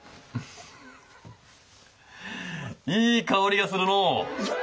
いい香りがするのう。